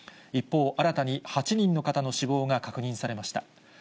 一方、新たに８人の方の死亡が確認されました。